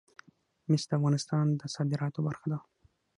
مس د افغانستان د صادراتو برخه ده.